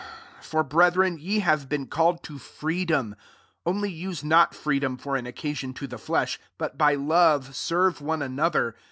13 For, brethren, ye have been called to freedom : only use not freedom for an occasion to the flesh, but by love serve one another.